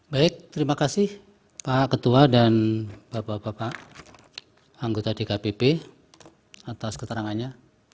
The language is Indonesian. baik terima kasih pak ketua dan bapak bapak anggota dkpp atas keterangannya